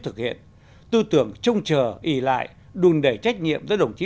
thực hiện tư tưởng trông chờ ý lại đùn đẩy trách nhiệm giữa đồng chí